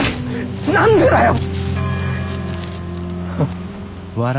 何でだよ！